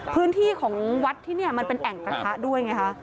พื้นที่ของวัดที่นี่มันเป็นแอ่งกระทะด้วยไงคะ